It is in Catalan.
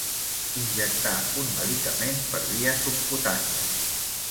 Injectar un medicament per via subcutània.